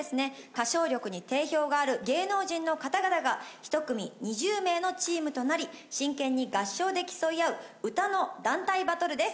歌唱力に定評がある芸能人の方々が１組２０名のチームとなり真剣に合唱で競い合う歌の団体バトルです。